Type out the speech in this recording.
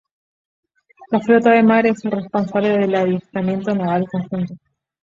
La Flota de Mar es el responsable del adiestramiento naval conjunto.